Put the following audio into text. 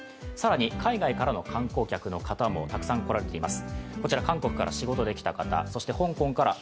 海外からの観光客もたくさん来られています。